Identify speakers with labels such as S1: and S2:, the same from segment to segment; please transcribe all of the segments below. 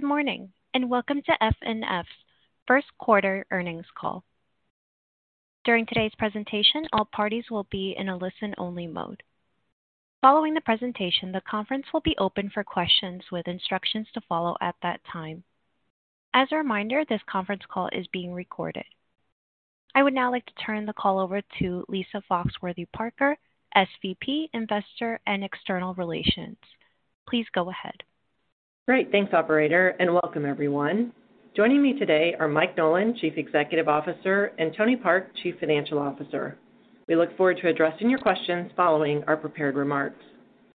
S1: Good morning. Welcome to FNF's first quarter earnings call. During today's presentation, all parties will be in a listen-only mode. Following the presentation, the conference will be open for questions with instructions to follow at that time. As a reminder, this conference call is being recorded. I would now like to turn the call over to Lisa Foxworthy-Parker, SVP, Investor and External Relations. Please go ahead.
S2: Great. Thanks, operator. Welcome everyone. Joining me today are Mike Nolan, Chief Executive Officer, and Tony Park, Chief Financial Officer. We look forward to addressing your questions following our prepared remarks.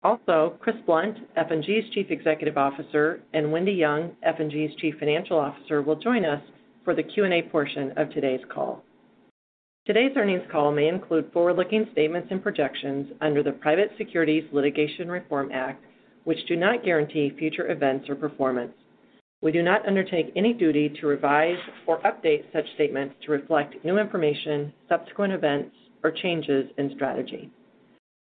S2: Also, Chris Blunt, F&G's Chief Executive Officer, and Wendy Young, F&G's Chief Financial Officer, will join us for the Q&A portion of today's call. Today's earnings call may include forward-looking statements and projections under the Private Securities Litigation Reform Act, which do not guarantee future events or performance. We do not undertake any duty to revise or update such statements to reflect new information, subsequent events, or changes in strategy.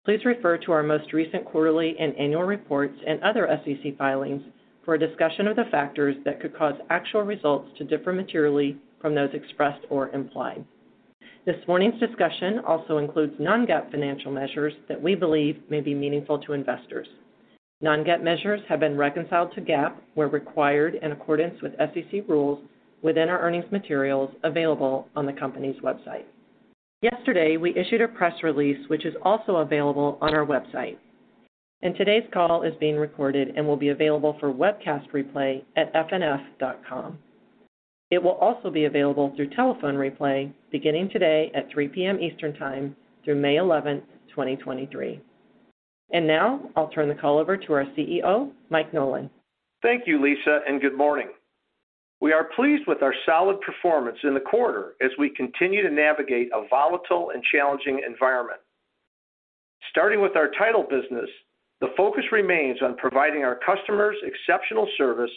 S2: Please refer to our most recent quarterly and annual reports and other SEC filings for a discussion of the factors that could cause actual results to differ materially from those expressed or implied. This morning's discussion also includes non-GAAP financial measures that we believe may be meaningful to investors. Non-GAAP measures have been reconciled to GAAP where required in accordance with SEC rules within our earnings materials available on the company's website. Yesterday, we issued a press release, which is also available on our website. Today's call is being recorded and will be available for webcast replay at fnf.com. It will also be available through telephone replay beginning today at 3:00 P.M. Eastern Time through May 11, 2023. Now I'll turn the call over to our CEO, Mike Nolan.
S3: Thank you, Lisa. Good morning. We are pleased with our solid performance in the quarter as we continue to navigate a volatile and challenging environment. Starting with our title business, the focus remains on providing our customers exceptional service,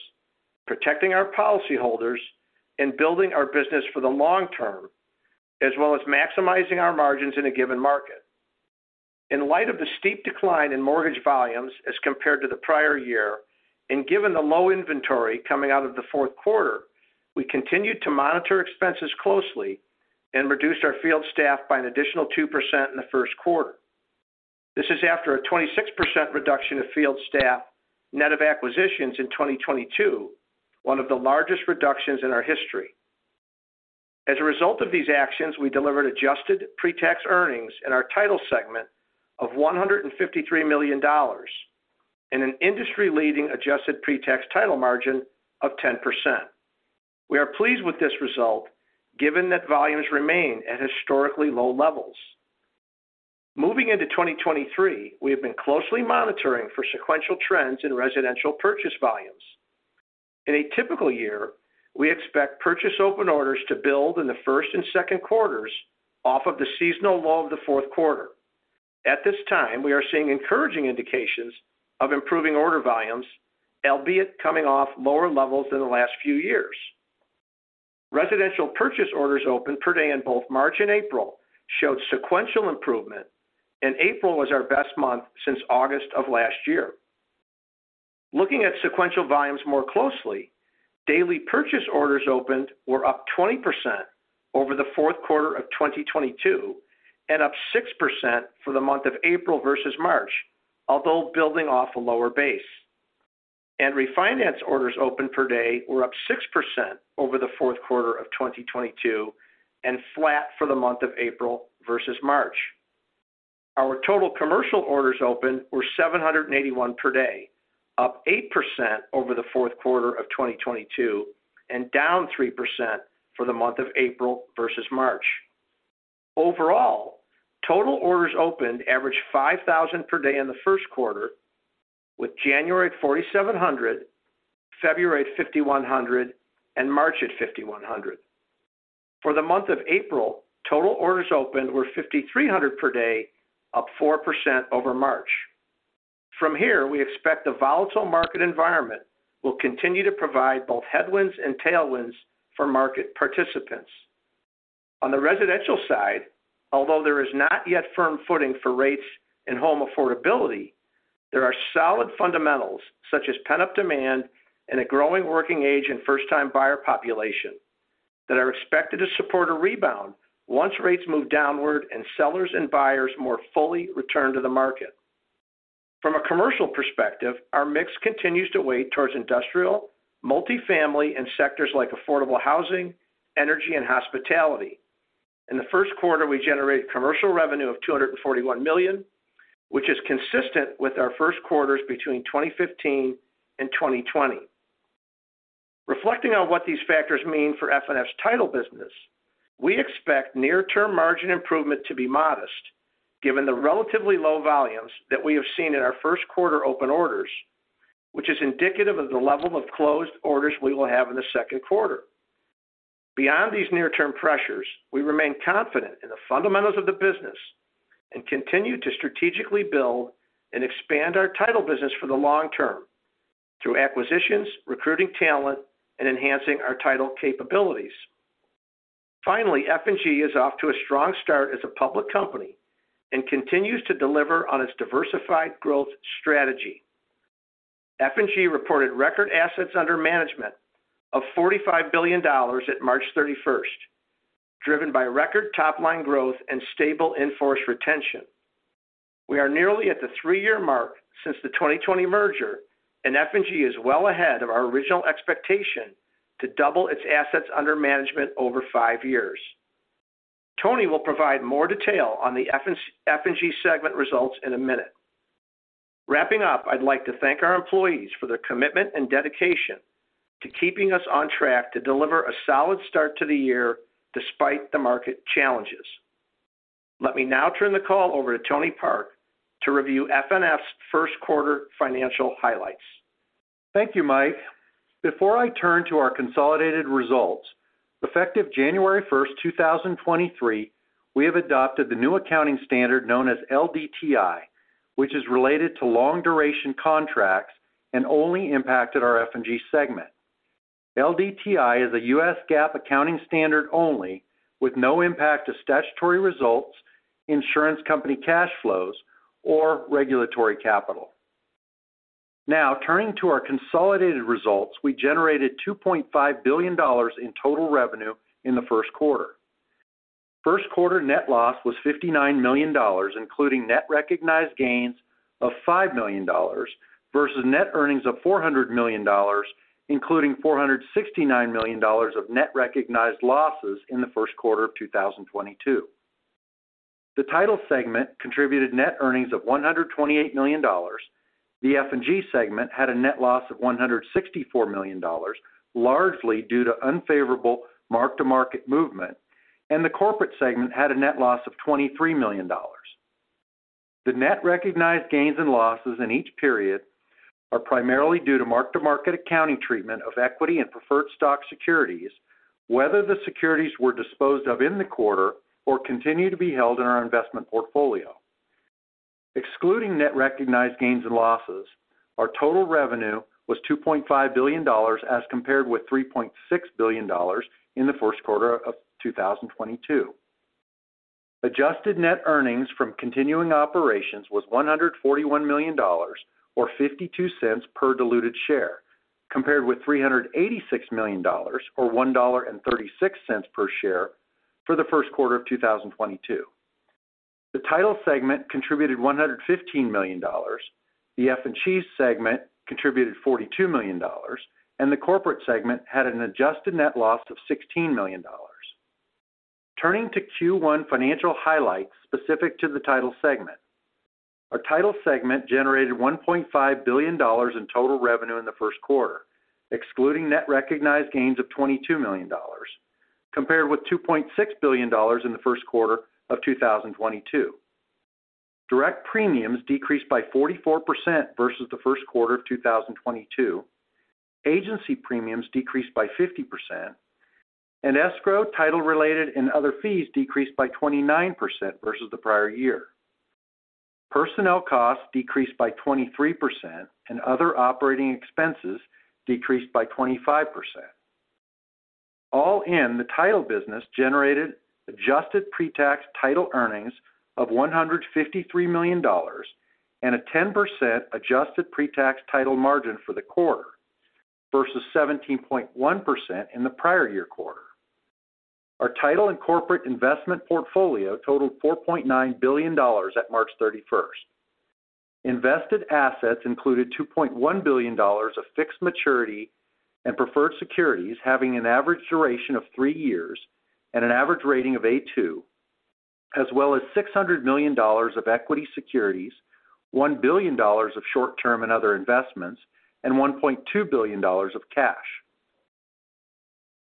S3: protecting our policyholders, and building our business for the long term, as well as maximizing our margins in a given market. In light of the steep decline in mortgage volumes as compared to the prior year and given the low inventory coming out of the fourth quarter, we continued to monitor expenses closely and reduced our field staff by an additional 2% in the first quarter. This is after a 26% reduction of field staff net of acquisitions in 2022, one of the largest reductions in our history. As a result of these actions, we delivered adjusted pre-tax earnings in our title segment of $153 million and an industry-leading adjusted pre-tax title margin of 10%. We are pleased with this result given that volumes remain at historically low levels. Moving into 2023, we have been closely monitoring for sequential trends in residential purchase volumes. In a typical year, we expect purchase open orders to build in the first and second quarters off of the seasonal low of the fourth quarter. At this time, we are seeing encouraging indications of improving order volumes, albeit coming off lower levels than the last few years. Residential purchase orders open per day in both March and April showed sequential improvement. April was our best month since August of last year. Looking at sequential volumes more closely, daily purchase orders opened were up 20% over the fourth quarter of 2022 and up 6% for the month of April versus March, although building off a lower base. Refinance orders open per day were up 6% over the fourth quarter of 2022 and flat for the month of April versus March. Our total commercial orders open were 781 per day, up 8% over the fourth quarter of 2022 and down 3% for the month of April versus March. Overall, total orders opened averaged 5,000 per day in the first quarter, with January at 4,700, February at 5,100, and March at 5,100. For the month of April, total orders opened were 5,300 per day, up 4% over March. From here, we expect the volatile market environment will continue to provide both headwinds and tailwinds for market participants. On the residential side, although there is not yet firm footing for rates and home affordability, there are solid fundamentals such as pent-up demand and a growing working age and first-time buyer population that are expected to support a rebound once rates move downward and sellers and buyers more fully return to the market. From a commercial perspective, our mix continues to weight towards industrial, multifamily, and sectors like affordable housing, energy, and hospitality. In the first quarter, we generated commercial revenue of $241 million, which is consistent with our first quarters between 2015 and 2020. Reflecting on what these factors mean for FNF's title business, we expect near-term margin improvement to be modest given the relatively low volumes that we have seen in our first quarter open orders, which is indicative of the level of closed orders we will have in the second quarter. Beyond these near-term pressures, we remain confident in the fundamentals of the business and continue to strategically build and expand our title business for the long term through acquisitions, recruiting talent, enhancing our title capabilities. Finally, F&G is off to a strong start as a public company and continues to deliver on its diversified growth strategy. F&G reported record assets under management of $45 billion at March thirty-first, driven by record top-line growth and stable in-force retention. We are nearly at the three-year mark since the 2020 merger, and F&G is well ahead of our original expectation to double its assets under management over five years. Tony will provide more detail on the F&G segment results in a minute. Wrapping up, I'd like to thank our employees for their commitment and dedication to keeping us on track to deliver a solid start to the year despite the market challenges. Let me now turn the call over to Tony Park to review FNF's first quarter financial highlights.
S4: Thank you, Mike. Before I turn to our consolidated results, effective January first, 2023, we have adopted the new accounting standard known as LDTI, which is related to long-duration contracts and only impacted our F&G segment. LDTI is a US GAAP accounting standard only, with no impact to statutory results, insurance company cash flows, or regulatory capital. Turning to our consolidated results, we generated $2.5 billion in total revenue in the first quarter. First quarter net loss was $59 million, including net recognized gains of $5 million versus net earnings of $400 million, including $469 million of net recognized losses in the first quarter of 2022. The Title segment contributed net earnings of $128 million. The F&G segment had a net loss of $164 million, largely due to unfavorable mark-to-market movement, and the Corporate segment had a net loss of $23 million. The net recognized gains and losses in each period are primarily due to mark-to-market accounting treatment of equity and preferred stock securities, whether the securities were disposed of in the quarter or continue to be held in our investment portfolio. Excluding net recognized gains and losses, our total revenue was $2.5 billion as compared with $3.6 billion in the first quarter of 2022. Adjusted net earnings from continuing operations was $141 million or $0.52 per diluted share, compared with $386 million or $1.36 per share for the first quarter of 2022. The Title segment contributed $115 million, the F&G segment contributed $42 million, and the Corporate segment had an adjusted net loss of $16 million. Turning to Q1 financial highlights specific to the Title segment. Our Title segment generated $1.5 billion in total revenue in the first quarter, excluding net recognized gains of $22 million, compared with $2.6 billion in the first quarter of 2022. Direct premiums decreased by 44% versus the first quarter of 2022. Agency premiums decreased by 50%, and escrow, title-related and other fees decreased by 29% versus the prior year. Personnel costs decreased by 23%, and other operating expenses decreased by 25%. All in, the Title business generated adjusted pre-tax Title earnings of $153 million and a 10% adjusted pre-tax Title margin for the quarter versus 17.1% in the prior year quarter. Our Title and corporate investment portfolio totaled $4.9 billion at March 31st. Invested assets included $2.1 billion of fixed maturity and preferred securities having an average duration of three years and an average rating of A two, as well as $600 million of equity securities, $1 billion of short-term and other investments, and $1.2 billion of cash.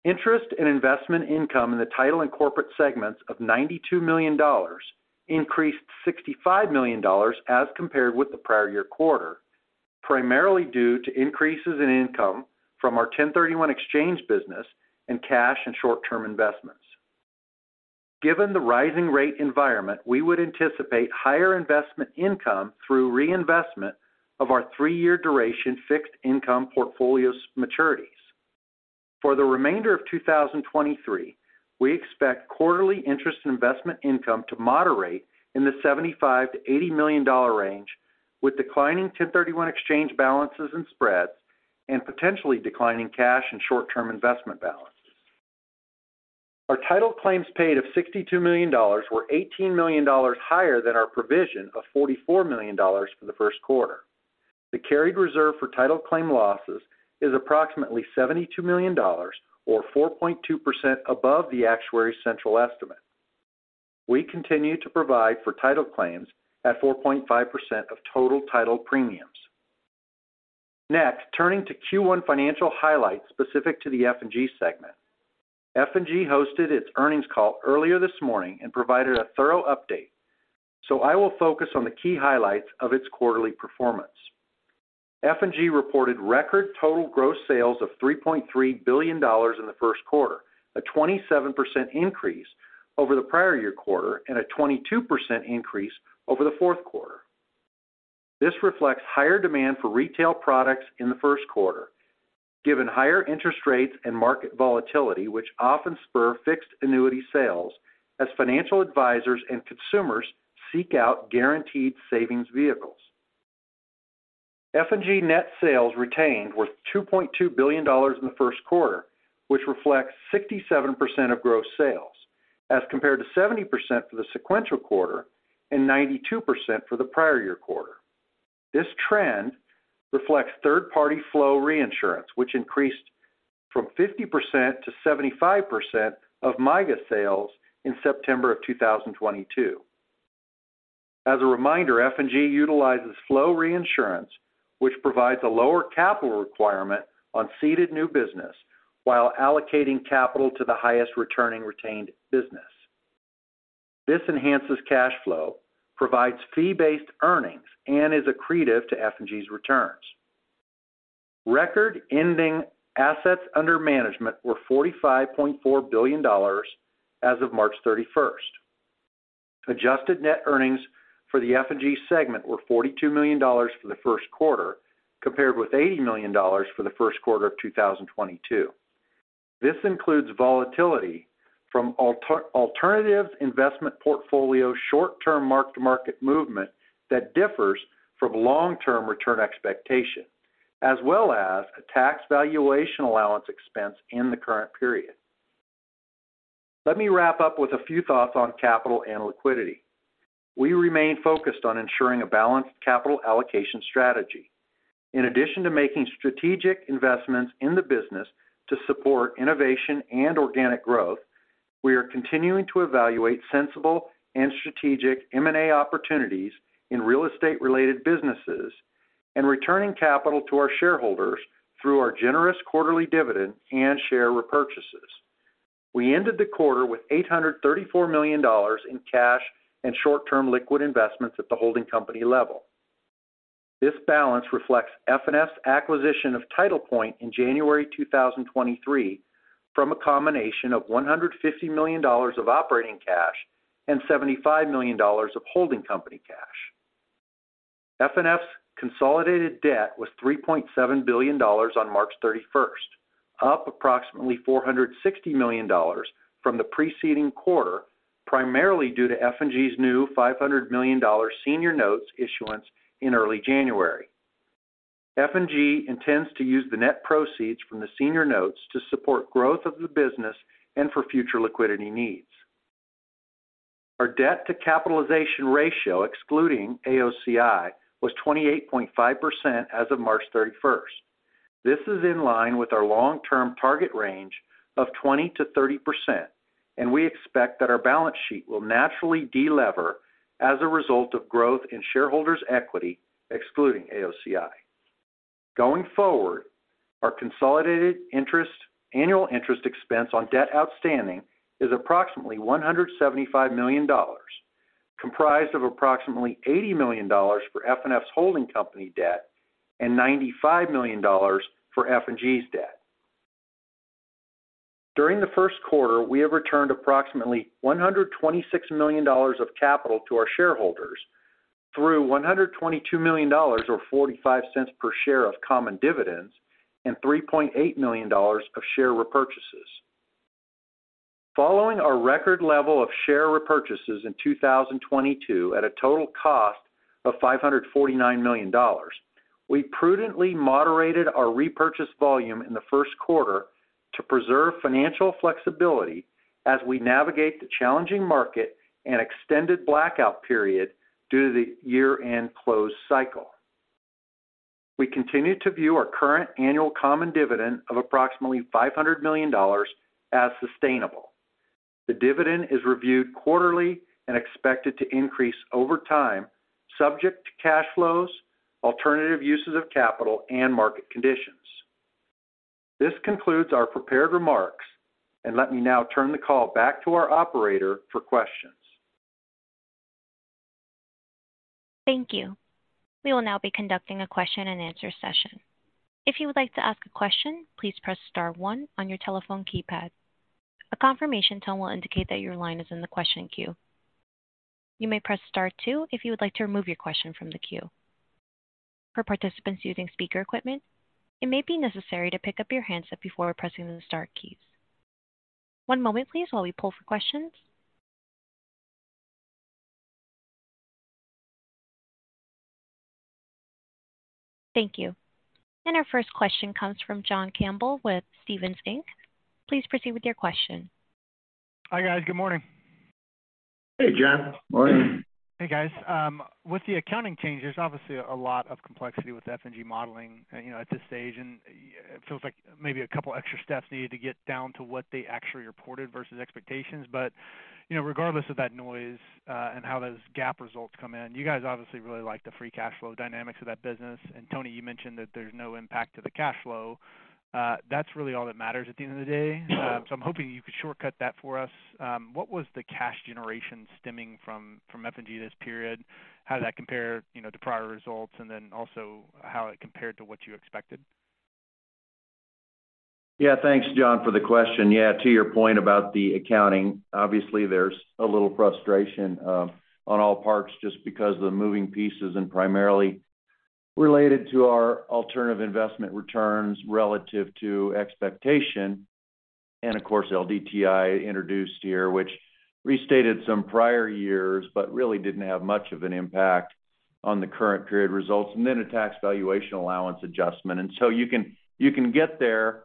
S4: Interest and investment income in the Title and Corporate segments of $92 million increased $65 million as compared with the prior year quarter, primarily due to increases in income from our 1031 exchange business and cash and short-term investments. Given the rising rate environment, we would anticipate higher investment income through reinvestment of our three-year duration fixed income portfolio's maturities. For the remainder of 2023, we expect quarterly interest and investment income to moderate in the $75 million-$80 million range, with declining 1031 exchange balances and spreads and potentially declining cash and short-term investment balance. Our Title claims paid of $62 million were $18 million higher than our provision of $44 million for the first quarter. The carried reserve for Title claim losses is approximately $72 million or 4.2% above the actuary's central estimate. We continue to provide for Title claims at 4.5% of total Title premiums. Next, turning to Q1 financial highlights specific to the F&G segment. F&G hosted its earnings call earlier this morning and provided a thorough update. I will focus on the key highlights of its quarterly performance. F&G reported record total gross sales of $3.3 billion in the first quarter, a 27% increase over the prior year quarter and a 22% increase over the fourth quarter. This reflects higher demand for retail products in the first quarter, given higher interest rates and market volatility, which often spur fixed annuity sales as financial advisors and consumers seek out guaranteed savings vehicles. F&G net sales retained were $2.2 billion in the first quarter, which reflects 67% of gross sales, as compared to 70% for the sequential quarter and 92% for the prior year quarter. This trend reflects third-party flow reinsurance, which increased from 50% to 75% of MYGA sales in September of 2022. As a reminder, F&G utilizes flow reinsurance, which provides a lower capital requirement on ceded new business while allocating capital to the highest returning retained business. This enhances cash flow, provides fee-based earnings, and is accretive to F&G's returns. Record-ending assets under management were $45.4 billion as of March 31st. Adjusted net earnings for the F&G segment were $42 million for the first quarter, compared with $80 million for the first quarter of 2022. This includes volatility from alternative investment portfolio short-term mark-to-market movement that differs from long-term return expectation, as well as a tax valuation allowance expense in the current period. Let me wrap up with a few thoughts on capital and liquidity. We remain focused on ensuring a balanced capital allocation strategy. In addition to making strategic investments in the business to support innovation and organic growth, we are continuing to evaluate sensible and strategic M&A opportunities in real estate-related businesses and returning capital to our shareholders through our generous quarterly dividend and share repurchases. We ended the quarter with $834 million in cash and short-term liquid investments at the holding company level. This balance reflects FNF's acquisition of TitlePoint in January 2023 from a combination of $150 million of operating cash and $75 million of holding company cash. FNF's consolidated debt was $3.7 billion on March 31st, up approximately $460 million from the preceding quarter, primarily due to F&G's new $500 million senior notes issuance in early January. F&G intends to use the net proceeds from the senior notes to support growth of the business and for future liquidity needs. Our debt-to-capitalization ratio, excluding AOCI, was 28.5% as of March 31st. This is in line with our long-term target range of 20%-30%. We expect that our balance sheet will naturally de-lever as a result of growth in shareholders' equity, excluding AOCI. Going forward, our consolidated interest, annual interest expense on debt outstanding is approximately $175 million, comprised of approximately $80 million for FNF's holding company debt and $95 million for F&G's debt. During the first quarter, we have returned approximately $126 million of capital to our shareholders through $122 million or $0.45 per share of common dividends and $3.8 million of share repurchases. Following our record level of share repurchases in 2022 at a total cost of $549 million, we prudently moderated our repurchase volume in the first quarter to preserve financial flexibility as we navigate the challenging market and extended blackout period due to the year-end close cycle. We continue to view our current annual common dividend of approximately $500 million as sustainable. The dividend is reviewed quarterly and expected to increase over time, subject to cash flows, alternative uses of capital and market conditions. This concludes our prepared remarks, and let me now turn the call back to our operator for questions.
S1: Thank you. We will now be conducting a question-and-answer session. If you would like to ask a question, please press star one on your telephone keypad. A confirmation tone will indicate that your line is in the question queue. You may press star two if you would like to remove your question from the queue. For participants using speaker equipment, it may be necessary to pick up your handset before pressing the star keys. One moment please while we pull for questions. Thank you. Our first question comes from John Campbell with Stephens Inc. Please proceed with your question.
S5: Hi, guys. Good morning.
S4: Hey, John. Morning.
S5: Hey, guys. With the accounting change, there's obviously a lot of complexity with F&G modeling, you know, at this stage, and it feels like maybe a couple extra steps needed to get down to what they actually reported versus expectations. Regardless, you know, of that noise, and how those GAAP results come in, you guys obviously really like the free cash flow dynamics of that business. Tony, you mentioned that there's no impact to the cash flow. That's really all that matters at the end of the day. I'm hoping you could shortcut that for us. What was the cash generation stemming from F&G this period? How did that compare, you know, to prior results? And then also how it compared to what you expected?
S3: Yeah. Thanks, John, for the question. Yeah, to your point about the accounting, obviously, there's a little frustration on all parts just because of the moving pieces and primarily related to our alternative investment returns relative to expectation. Of course, LDTI introduced here, which restated some prior years, but really didn't have much of an impact on the current period results, and then a tax valuation allowance adjustment. So you can get there,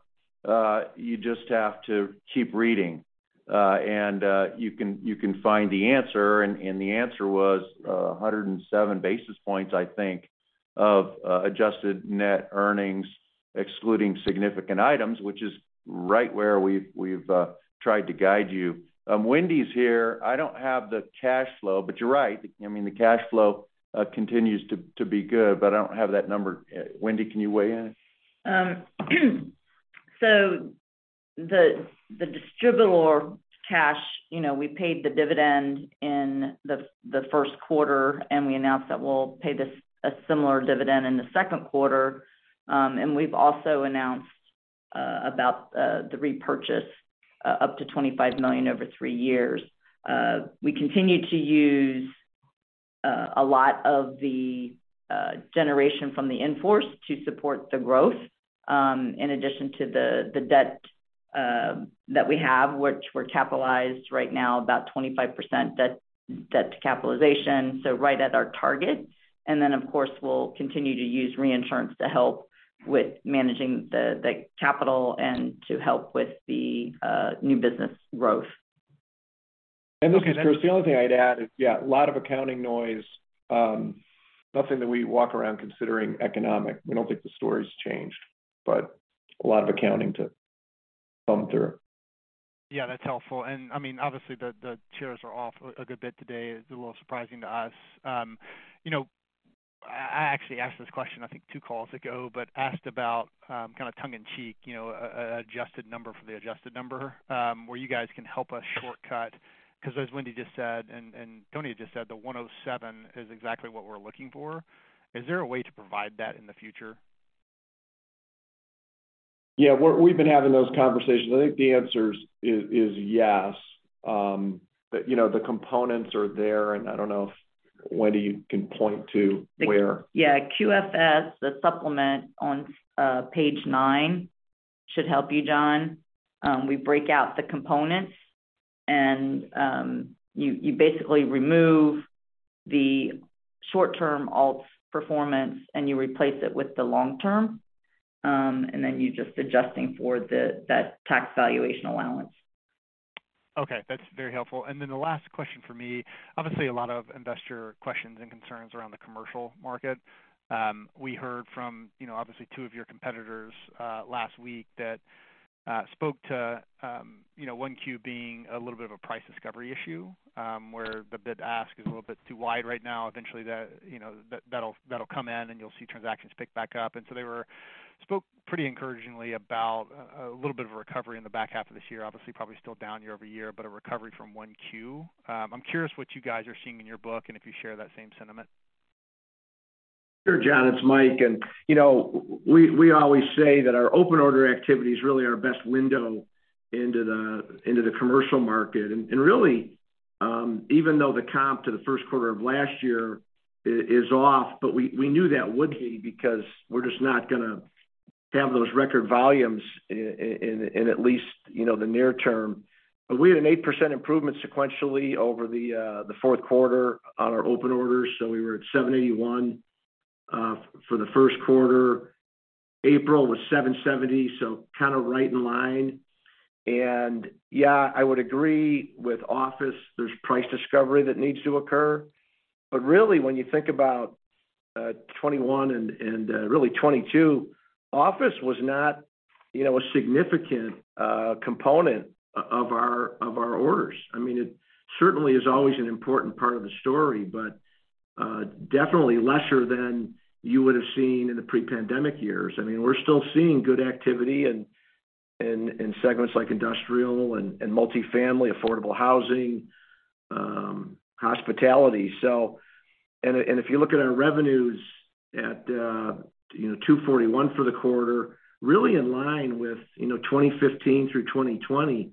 S3: you just have to keep reading. You can find the answer, and the answer was 107 basis points, I think, of adjusted net earnings, excluding significant items, which is right where we've tried to guide you. Wendy's here. I don't have the cash flow, you're right. I mean, the cash flow continues to be good, but I don't have that number. Wendy, can you weigh in?
S6: The, the distributor cash, you know, we paid the dividend in the first quarter, and we announced that we'll pay a similar dividend in the second quarter. We've also announced about the repurchase up to $25 million over three years. We continue to use a lot of the generation from the in-force to support the growth, in addition to the debt that we have, which we're capitalized right now about 25% debt to capitalization, right at our target. Of course, we'll continue to use reinsurance to help with managing the capital and to help with the new business growth.
S3: Look, it's the only thing I'd add is, yeah, a lot of accounting noise, nothing that we walk around considering economic. We don't think the story's changed, but a lot of accounting to come through.
S5: Yeah, that's helpful. I mean, obviously, the chairs are off a good bit today. It's a little surprising to us. You know, I actually asked this question, I think two calls ago, but asked about kind of tongue in cheek, you know, a adjusted number for the adjusted number, where you guys can help us shortcut. 'Cause as Wendy just said, and Tony just said, the 107 is exactly what we're looking for. Is there a way to provide that in the future?
S3: Yeah. We've been having those conversations. I think the answer is yes. You know, the components are there, and I don't know if, Wendy, you can point to where.
S6: Yeah. QFS, the supplement on page 9 should help you, John. We break out the components, and you basically remove the short-term alts performance, and you replace it with the long term. Then you're just adjusting for that tax valuation allowance.
S5: That's very helpful. The last question for me, obviously, a lot of investor questions and concerns around the commercial market. We heard from, you know, obviously two of your competitors last week that spoke to, you know, one Q being a little bit of a price discovery issue where the bid ask is a little bit too wide right now. Eventually, that, you know, that'll come in, and you'll see transactions pick back up. They spoke pretty encouragingly about a little bit of a recovery in the back half of this year, obviously, probably still down year-over-year, but a recovery from one Q. I'm curious what you guys are seeing in your book and if you share that same sentiment.
S3: Sure, John, it's Mike. You know, we always say that our open order activity is really our best window into the commercial market. Really, even though the comp to the first quarter of last year is off, we knew that would be because we're just not gonna have those record volumes in at least, you know, the near term. We had an 8% improvement sequentially over the fourth quarter on our open orders, so we were at 781 for the first quarter. April was 770, so kind of right in line. Yeah, I would agree with office, there's price discovery that needs to occur. Really, when you think about 21 and really 22, office was not, you know, a significant component of our orders. I mean, it certainly is always an important part of the story, but, definitely lesser than you would have seen in the pre-pandemic years. I mean, we're still seeing good activity in segments like industrial and multifamily, affordable housing, hospitality. If you look at our revenues at, you know, $241 for the quarter, really in line with, you know, 2015 through 2020.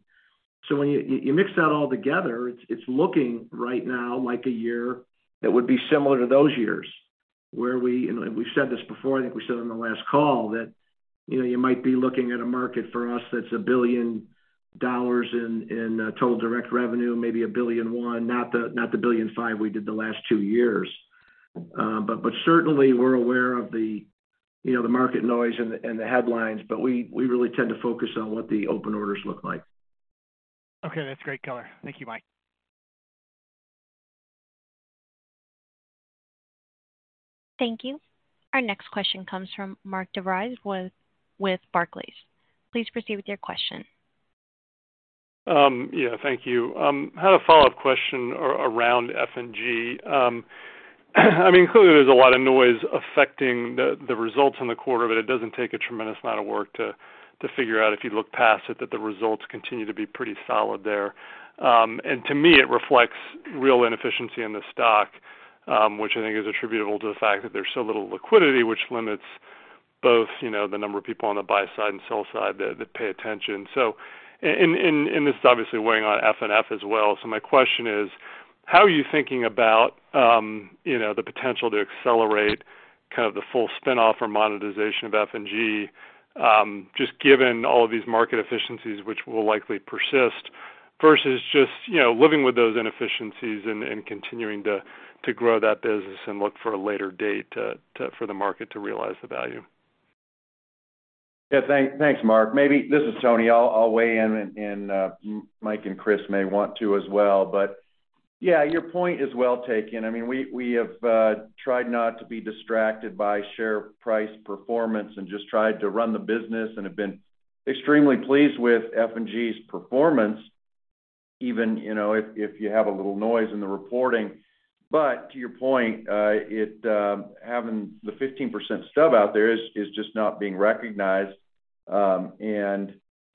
S3: When you mix that all together, it's looking right now like a year that would be similar to those years where we, and we've said this before, I think we said on the last call that, you know, you might be looking at a market for us that's $1 billion in total direct revenue, maybe $1.1 billion, not the $1.5 billion we did the last two years. Certainly we're aware of the, you know, the market noise and the headlines, but we really tend to focus on what the open orders look like.
S5: Okay. That's great color. Thank you, Mike.
S1: Thank you. Our next question comes from Mark DeVries with Barclays. Please proceed with your question.
S7: Yeah, thank you. I had a follow-up question around F&G. I mean, clearly, there's a lot of noise affecting the results in the quarter, but it doesn't take a tremendous amount of work to figure out if you look past it, that the results continue to be pretty solid there. To me, it reflects real inefficiency in the stock. Which I think is attributable to the fact that there's so little liquidity, which limits both, you know, the number of people on the buy side and sell side that pay attention. In, and this is obviously weighing on FNF as well. My question is: how are you thinking about, you know, the potential to accelerate kind of the full spin-off or monetization of F&G, just given all of these market efficiencies which will likely persist versus just, you know, living with those inefficiencies and continuing to grow that business and look for a later date to for the market to realize the value?
S4: Yeah, thanks, Mark. This is Tony. I'll weigh in and Mike and Chris may want to as well. Yeah, your point is well taken. I mean, we have tried not to be distracted by share price performance and just tried to run the business and have been extremely pleased with F&G's performance, even, you know, if you have a little noise in the reporting. To your point, it having the 15% stub out there is just not being recognized.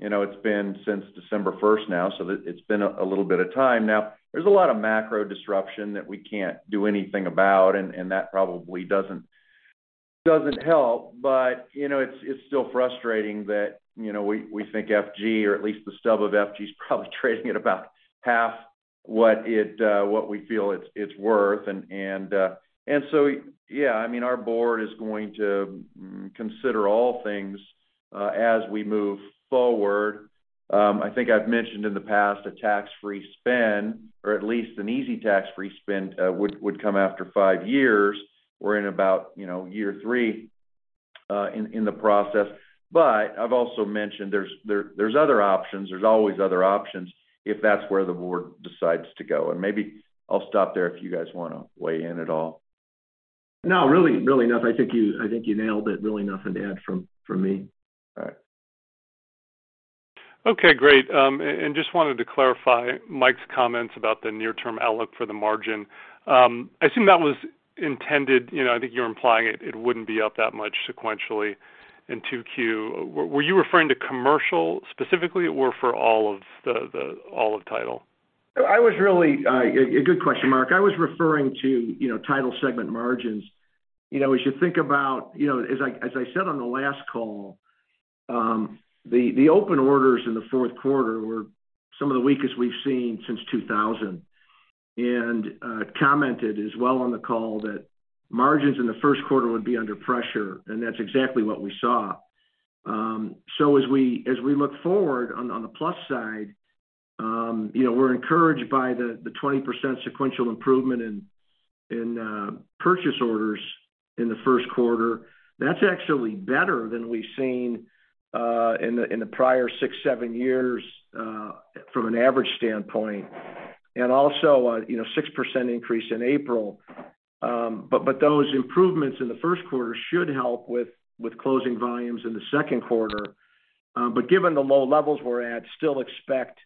S4: You know, it's been since December 1st now, so it's been a little bit of time now. There's a lot of macro disruption that we can't do anything about, and that probably doesn't help. You know, it's still frustrating that, you know, we think F&G or at least the stub of F&G, is probably trading at about half what it, what we feel it's worth. Yeah, I mean, our board is going to consider all things as we move forward. I think I've mentioned in the past, a tax-free spin or at least an easy tax-free spin, would come after five years. We're in about, you know, year three in the process. I've also mentioned there's other options. There's always other options if that's where the board decides to go. Maybe I'll stop there if you guys wanna weigh in at all.
S3: No, really, really enough. I think you nailed it. Really nothing to add from me.
S4: All right.
S7: Okay, great. Just wanted to clarify Mike's comments about the near-term outlook for the margin. I assume that was intended you know, I think you're implying it wouldn't be up that much sequentially in Q2. Were you referring to commercial specifically or for all of the all of Title?
S3: I was really, good question, Mark. I was referring to, you know, Title segment margins. You know, as you think about you know, as I said on the last call, the open orders in the fourth quarter were some of the weakest we've seen since 2000. Commented as well on the call that margins in the first quarter would be under pressure, and that's exactly what we saw. As we look forward on the plus side, you know, we're encouraged by the 20% sequential improvement in purchase orders in the first quarter. That's actually better than we've seen in the prior six, seven years from an average standpoint, and also a, you know, 6% increase in April. Those improvements in the first quarter should help with closing volumes in the second quarter. Given the low levels we're at, still expect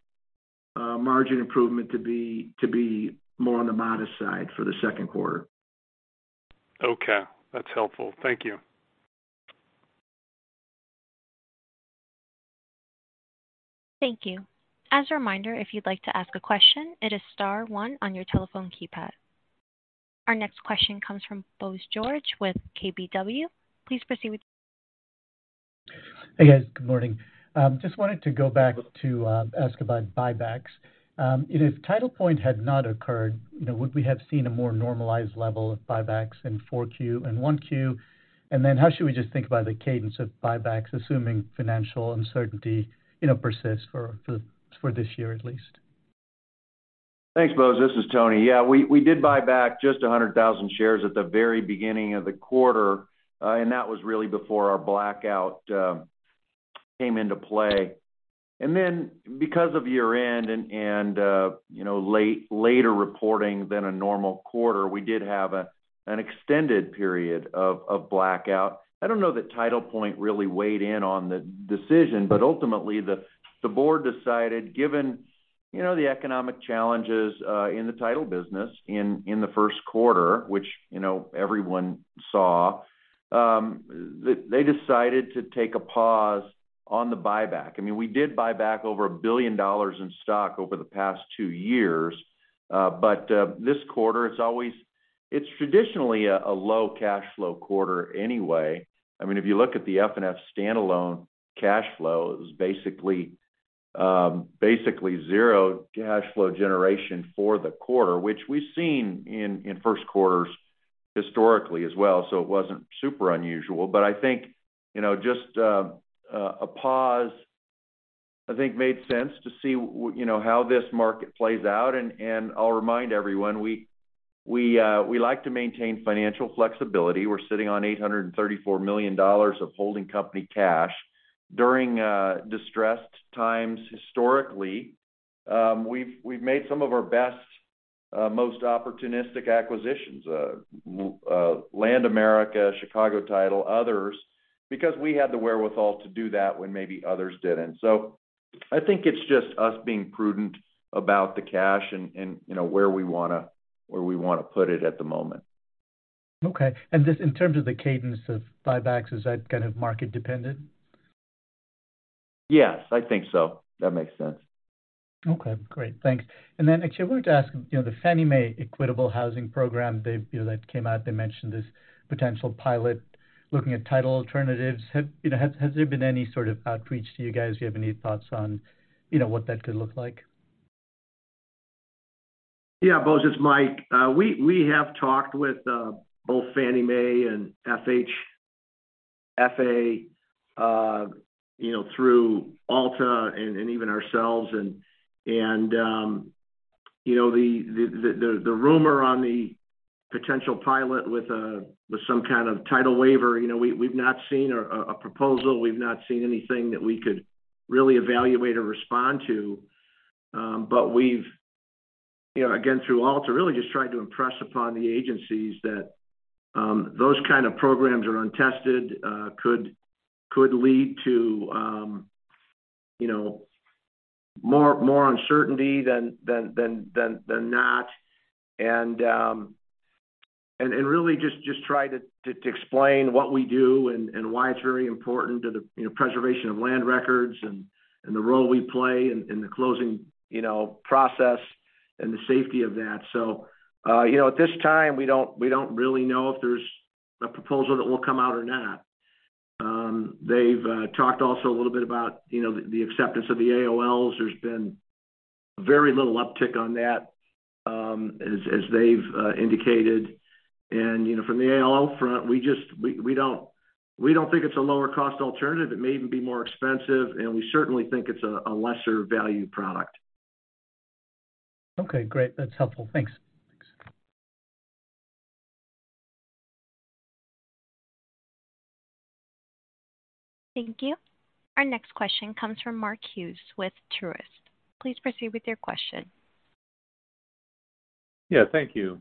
S3: margin improvement to be more on the modest side for the second quarter.
S7: Okay. That's helpful. Thank you.
S1: Thank you. As a reminder, if you'd like to ask a question, it is star one on your telephone keypad. Our next question comes from Bose George with KBW. Please proceed with your question.
S8: Hey, guys. Good morning. Just wanted to go back to ask about buybacks. If TitlePoint had not occurred, you know, would we have seen a more normalized level of buybacks in Q4 and Q1? Then how should we just think about the cadence of buybacks, assuming financial uncertainty, you know, persists for this year at least?
S4: Thanks, Bose. This is Tony. Yeah, we did buy back just 100,000 shares at the very beginning of the quarter, and that was really before our blackout came into play. Because of year-end and, you know, later reporting than a normal quarter, we did have an extended period of blackout. I don't know that TitlePoint really weighed in on the decision, but ultimately, the board decided, given, you know, the economic challenges in the title business in the first quarter, which, you know, everyone saw, they decided to take a pause on the buyback. I mean, we did buy back over $1 billion in stock over the past two years. But, this quarter, it's traditionally a low cash flow quarter anyway. I mean, if you look at the FNF standalone cash flow, it was basically zero cash flow generation for the quarter, which we've seen in first quarters historically as well. It wasn't super unusual, but I think, you know, just a pause, I think made sense to see you know, how this market plays out. I'll remind everyone, we like to maintain financial flexibility. We're sitting on $834 million of holding company cash. During distressed times historically, we've made some of our best, most opportunistic acquisitions, LandAmerica, Chicago Title, others, because we had the wherewithal to do that when maybe others didn't. I think it's just us being prudent about the cash and, you know, where we wanna, where we wanna put it at the moment.
S8: Okay. Just in terms of the cadence of buybacks, is that kind of market dependent?
S3: Yes, I think so. That makes sense.
S8: Okay, great. Thanks. actually I wanted to ask, you know, the Fannie Mae Equitable Housing Program, they, you know, that came out, they mentioned this potential pilot looking at title alternatives. Have, you know, has there been any sort of outreach to you guys? Do you have any thoughts on, you know, what that could look like?
S3: Yeah, Bose, it's Mike. We have talked with both Fannie Mae and FHFA, you know, through ALTA and even ourselves and, you know, the rumor on the potential pilot with some kind of title waiver. You know, we've not seen a proposal. We've not seen anything that we could really evaluate or respond to. We've, you know, again, through ALTA, really just tried to impress upon the agencies that those kind of programs are untested, could lead to, you know, more uncertainty than not. Really just try to explain what we do and why it's very important to the, you know, preservation of land records and the role we play in the closing, you know, process and the safety of that. You know, at this time, we don't really know if there's a proposal that will come out or not. They've talked also a little bit about, you know, the acceptance of the AOLs. There's been very little uptick on that, as they've indicated. You know, from the AOL front, we don't think it's a lower cost alternative. It may even be more expensive, and we certainly think it's a lesser value product.
S8: Okay, great. That's helpful. Thanks.
S1: Thank you. Our next question comes from Mark Hughes with Truist. Please proceed with your question.
S9: Thank you.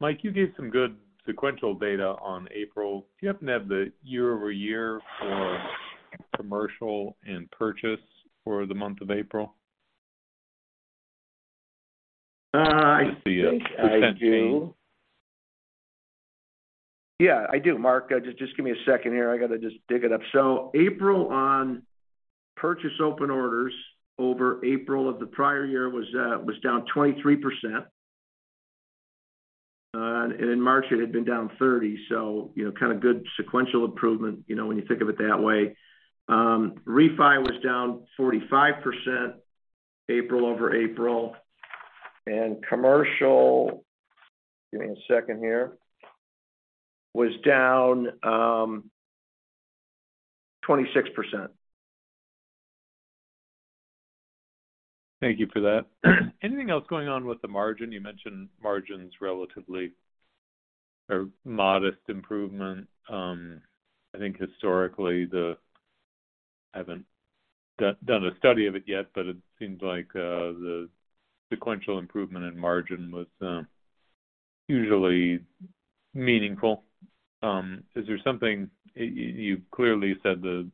S9: Mike, you gave some good sequential data on April. Do you happen to have the year-over-year for commercial and purchase for the month of April?
S3: I think I do.
S9: Just the % change.
S3: Yeah, I do, Mark. just give me a second here. I gotta just dig it up. April on purchase open orders over April of the prior year was down 23%. In March, it had been down 30%. you know, kind of good sequential improvement, you know, when you think of it that way. refi was down 45% April-over-April. Commercial, give me a second here, was down 26%.
S9: Thank you for that. Anything else going on with the margin? You mentioned margins relatively or modest improvement. I think historically the... I haven't done a study of it yet, but it seems like, the sequential improvement in margin was usually meaningful. Is there something? You clearly said the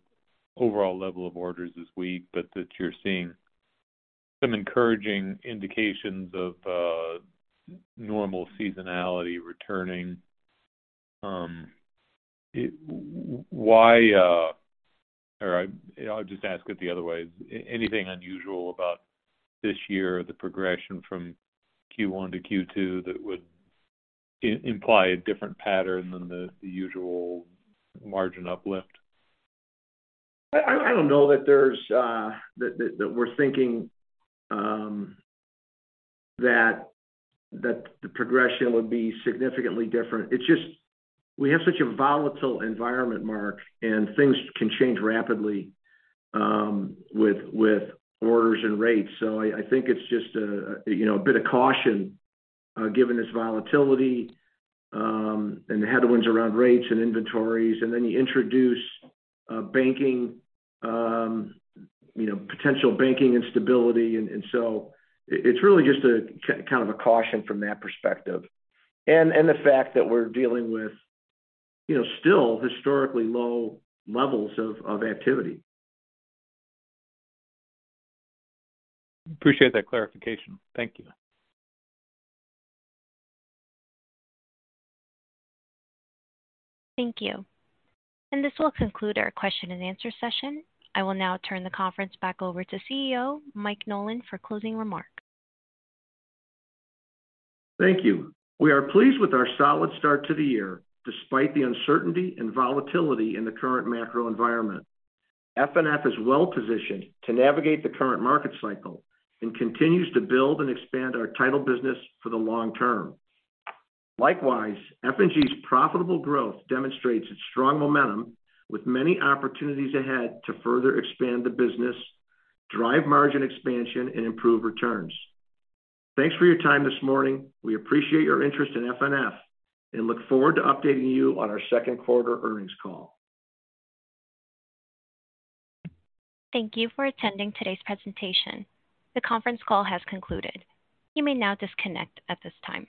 S9: overall level of orders is weak, but that you're seeing some encouraging indications of normal seasonality returning. I'll just ask it the other way. Anything unusual about this year, the progression from Q1 to Q2, that would imply a different pattern than the usual margin uplift?
S3: I don't know that there's that we're thinking that the progression would be significantly different. It's just we have such a volatile environment, Mark, things can change rapidly with orders and rates. I think it's just a you know, a bit of caution given this volatility and the headwinds around rates and inventories. Then you introduce banking, you know, potential banking instability. It's really just a kind of a caution from that perspective. The fact that we're dealing with, you know, still historically low levels of activity.
S9: Appreciate that clarification. Thank you.
S1: Thank you. This will conclude our question and answer session. I will now turn the conference back over to CEO Mike Nolan for closing remarks.
S3: Thank you. We are pleased with our solid start to the year, despite the uncertainty and volatility in the current macro environment. FNF is well-positioned to navigate the current market cycle and continues to build and expand our title business for the long term. Likewise, F&G's profitable growth demonstrates its strong momentum with many opportunities ahead to further expand the business, drive margin expansion, and improve returns. Thanks for your time this morning. We appreciate your interest in FNF and look forward to updating you on our second quarter earnings call.
S1: Thank you for attending today's presentation. The conference call has concluded. You may now disconnect at this time.